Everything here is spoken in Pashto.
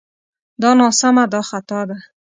دا ناسمه دا خطا ده